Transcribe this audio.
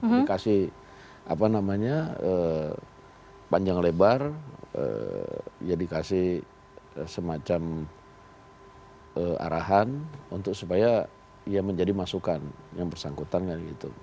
dikasih apa namanya panjang lebar ya dikasih semacam arahan untuk supaya ya menjadi masukan yang bersangkutan kan gitu